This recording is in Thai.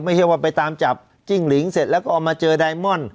ไม่ใช่ว่าไปตามจับจิ้งหลิงเสร็จแล้วก็เอามาเจอไดมอนด์